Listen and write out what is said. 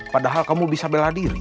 padahal kamu bisa bela diri